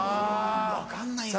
分かんないね。